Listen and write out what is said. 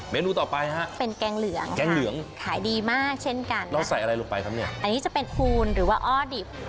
เมนูต่อไปฮะแกงเหลืองค่ะขายดีมากเช่นกันครับอันนี้จะเป็นฟูนหรือว่าอ้อดิบ